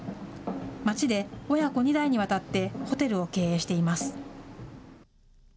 町で親子２代にわたってホテルを経営しています。